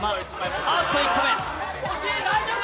あっと１個目！